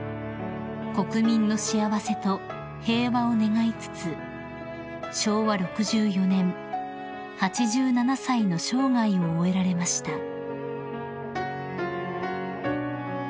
［国民の幸せと平和を願いつつ昭和６４年８７歳の生涯を終えられました］